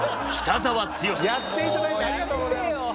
やって頂いてありがとうございます。